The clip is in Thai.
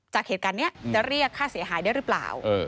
จากเหตุการณ์นี้จะเรียกค่าเสียหายได้หรือเปล่า